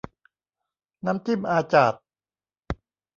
น้ำจิ้มอาจาด